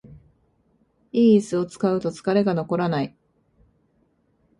良いイスを使うと疲れが残らない